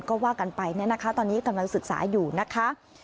ก็ว่ากันไปเนี่ยนะคะตอนนี้กำลังศึกษาอยู่นะคะ